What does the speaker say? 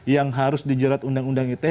yang harus dijerat undang undang ite